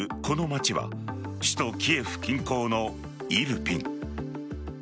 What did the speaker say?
この街は首都・キエフ近郊のイルピン。